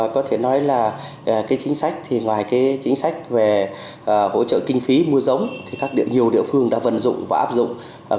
có thể nói là cái chính sách thì ngoài chính sách về hỗ trợ kinh phí mua giống thì phát điện nhiều địa phương đã vận dụng và áp dụng